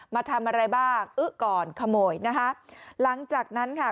มาทำอะไรบ้างอึ๊ก่อนขโมยนะคะหลังจากนั้นค่ะ